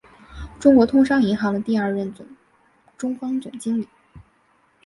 中国通商银行的第二任中方总经理。